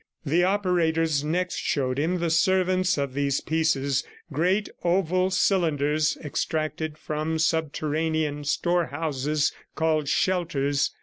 The operators next showed him the servants of these pieces, great oval cylinders extracted from subterranean storehouses called shelters.